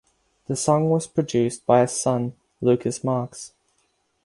The song was produced by his son Lucas Marx.